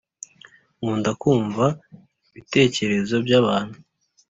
Nkunda kumva ibitekerezo by’abantu